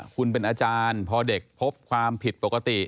คุณเป็นอาจารย์พอเด็กพบความผิดปกติ